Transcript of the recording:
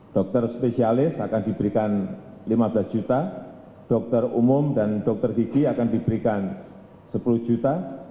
dokter spesialis akan diberikan lima belas juta dokter umum dan dokter gigi akan diberikan sepuluh juta